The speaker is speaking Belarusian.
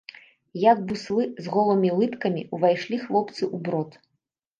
Як буслы, з голымі лыткамі ўвайшлі хлопцы ў брод.